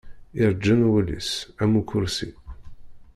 Iṛǧen wul-is, am ukurṣi.